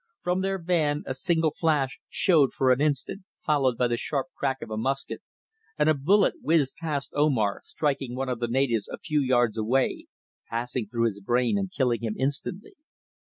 From their van a single flash showed for an instant, followed by the sharp crack of a musket, and a bullet whizzed past Omar, striking one of the natives a few yards away, passing through his brain and killing him instantly.